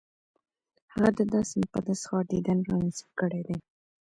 هغه د داسې مقدس ښار دیدن را نصیب کړی دی.